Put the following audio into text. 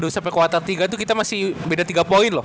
aduh sampai quarter tiga tuh kita masih beda tiga poin loh